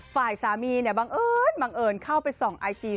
ฝ่ายสามีบังเอิญเข้าไปส่องไอจี